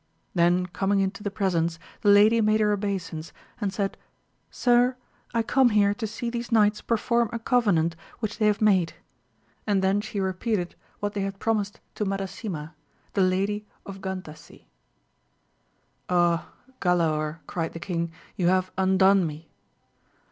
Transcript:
Then coming into the presence, the lady made her obeisance and said, Sir, I come here to see these knights perform a covenant which they have made ; and then she Teipea\»^3L \?W\» \)s\fe'^ V^ 210 AMADIS OF GAUL. promised to Madasima, the lady of GantasL Ah, Oalaor, cried the king, you have undone me